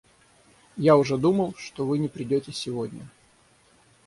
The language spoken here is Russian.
Я уже думал, что вы не приедете сегодня.